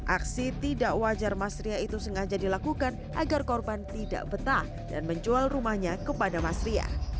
aksi tidak wajar mas ria itu sengaja dilakukan agar korban tidak betah dan menjual rumahnya kepada mas ria